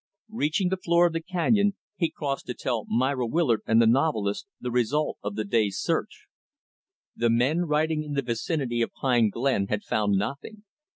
Reaching the floor of the canyon, he crossed to tell Myra Willard and the novelist the result of the day's search. The men riding in the vicinity of Pine Glen had found nothing.